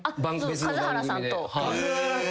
数原さんと。